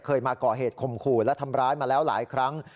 เคยมาก่อเหตุคมขู่และทำร้ายมาแล้วหลายครั้ง